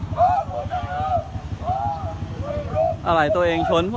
มือต์รนด์ล่ะ